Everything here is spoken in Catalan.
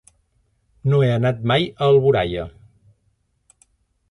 No he anat mai a Alboraia.